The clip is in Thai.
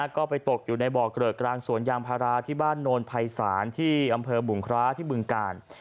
ก็ไปตกอยู่ในบ่อเกลอะกลางสวนยางพาราที่บ้านโนนภัยศาลที่อำเภอบุงคร้าที่บึงกาล